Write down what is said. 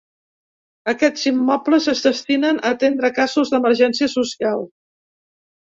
Aquests immobles es destinen a atendre casos d’emergència social.